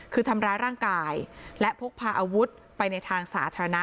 คือทำร้ายร่างกายและพกพาอาวุธไปในทางสาธารณะ